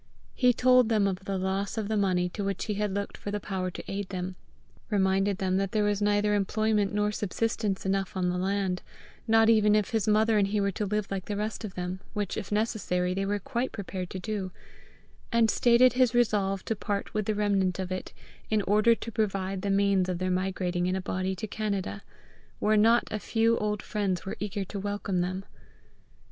He told them of the loss of the money to which he had looked for the power to aid them; reminded them that there was neither employment nor subsistence enough on the land not even if his mother and he were to live like the rest of them, which if necessary they were quite prepared to do; and stated his resolve to part with the remnant of it in order to provide the means of their migrating in a body to Canada, where not a few old friends were eager to welcome them.